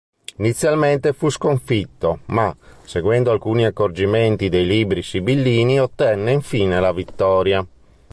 Inizialmente fu sconfitto ma, seguendo alcuni accorgimenti dei Libri sibillini, ottenne infine la vittoria.